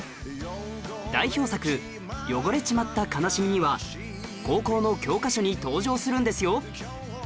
代表作『汚れつちまつた悲しみに』は高校の教科書に登場するんですよ